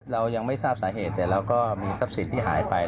เรายังไม่ทราบสาเหตุแต่เราก็มีทรัพย์สินที่หายไป